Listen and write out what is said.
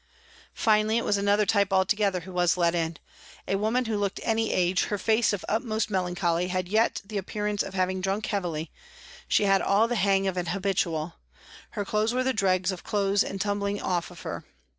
Finally, it was another type altogether who was let in. A woman who looked any age, her face of utmost melancholy had yet the appearance of having drunk heavily ; she had all the hang of an " habitual," her clothes were the dregs of clothes and tumbling off her.